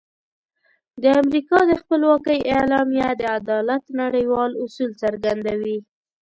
د امریکا د خپلواکۍ اعلامیه د عدالت نړیوال اصول څرګندوي.